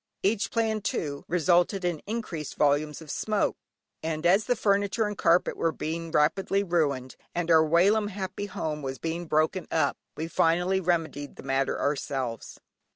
Each plan too, resulted in increased volumes of smoke, and as the furniture and carpet were being rapidly ruined, and our whilom happy home was being broken up, we finally remedied the matter ourselves.